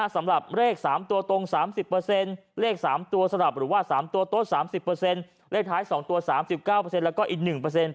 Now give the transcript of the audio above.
สำหรับเลข๓ตัวตรง๓๐เลข๓ตัวสลับหรือว่า๓ตัวโต๊ะ๓๐เลขท้าย๒ตัว๓๙แล้วก็อีก๑